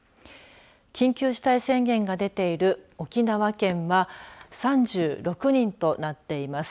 緊急事態宣言が出ている沖縄県は３６人となっています。